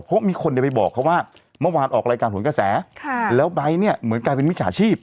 เพราะมีคนไปบอกเขาว่าเมื่อวานออกรายการผลกระแสแล้วไบท์เนี่ยเหมือนกลายเป็นมิจฉาชีพ